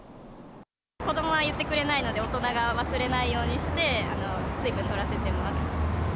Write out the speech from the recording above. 子どもは言ってくれないので、大人が忘れないようにして、水分とらせてます。